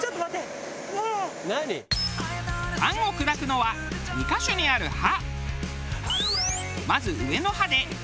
パンを砕くのは２カ所にある刃。